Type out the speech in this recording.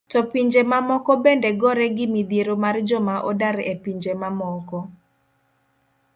To pinje mamoko bende gore gi midhiero mar joma odar e pinje mamoko?